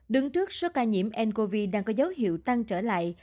đứng trước số ca nhiễm ncov đang có dấu hiệu tăng trở lại